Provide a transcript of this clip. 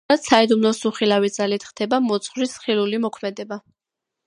ამგვარად საიდუმლოს უხილავი ძალით ხდება მოძღვრის ხილული მოქმედება.